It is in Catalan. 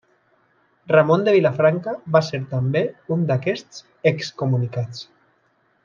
Ramon de Vilafranca va ser també un d'aquests excomunicats.